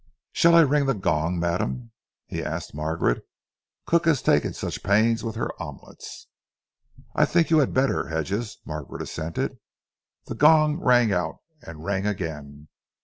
"Shall I ring the gong, madam?" he asked Margaret. "Cook has taken such pains with her omelette." "I think you had better, Hedges," Margaret assented. The gong rang out and rang again.